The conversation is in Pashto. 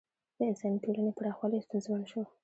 د انساني ټولنې پراخوالی ستونزمن شو.